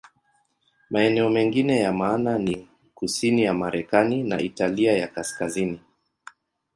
Maeneo mengine ya maana ni kusini ya Marekani na Italia ya Kaskazini.